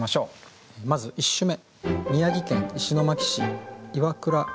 まず１首目。